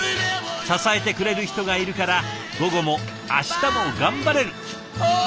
支えてくれる人がいるから午後も明日も頑張れる。